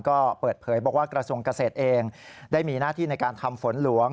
ก็เปิดเผยบอกว่ากระทรวงเกษตรเองได้มีหน้าที่ในการทำฝนหลวง